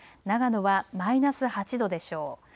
長野はマイナス８度でしょう。